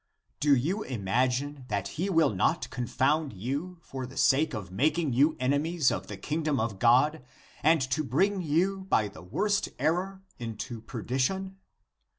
Do you imag ine that he will not confound you for the sake of making you enemies of the kingdom of God and to bring you by the worst error into perdition?